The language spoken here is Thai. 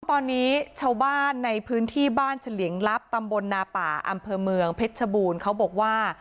ตอนนี้ชาวบ้านในพื้นที่บ้านเฉลี่ยงลับตำบลนาป่าอำเภอเมืองเพชรชบูรณ์เขาบอกว่า